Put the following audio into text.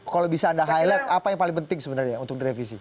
kalau bisa anda highlight apa yang paling penting sebenarnya untuk direvisi